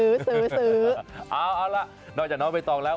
เอาล่ะนอกจากน้องใบตองแล้ว